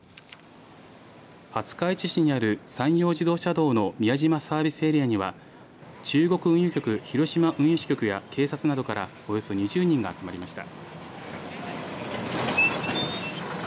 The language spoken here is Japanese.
廿日市市にある山陽自動車道の宮島サービスエリアには中国運輸局、広島運輸支局や警察などからおよそ２０人が集まりました。